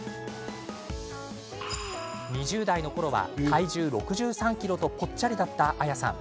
２０代のころは体重６３ｋｇとぽっちゃりだったａｙａさん。